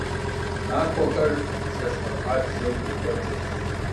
Махуэхэр зэщхьыркъабзэу екӀуэкӀырт.